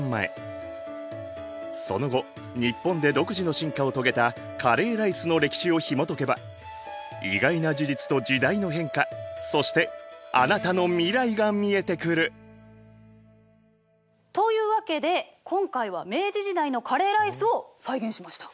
その後日本で独自の進化を遂げたカレーライスの歴史をひもとけば意外な事実と時代の変化そしてあなたの未来が見えてくる！というわけで今回は明治時代のカレーライスを再現しました！